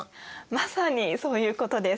まさにそういうことです。